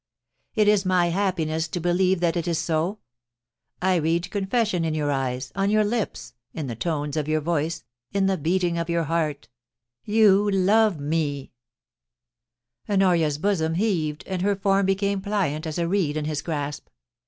* It is my happiness to believe that it is so. I read your confession in your eyes, on your lips, in the tones of your voice, in the beating of your heart You love me, ...' BARRINGTON A REJECTED SUITOR. 249 Honoria's bosom heaved and her form became pliant as a reed in his grasp.